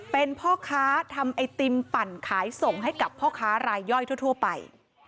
เป็นพ่อค้าทำไอติมปั่นขายส่งให้กับพ่อค้ารายย่อยทั่วไป